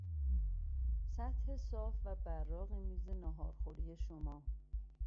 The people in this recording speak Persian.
سطح صاف و براق میز ناهارخوری شما